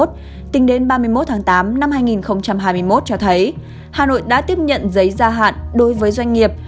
tính đến ba mươi một tháng tám năm hai nghìn hai mươi một cho thấy hà nội đã tiếp nhận giấy gia hạn đối với doanh nghiệp